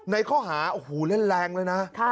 ในข้อหาโอ้โหเล่นแรงเลยนะ